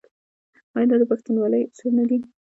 آیا دا د پښتونولۍ اصول نه دي؟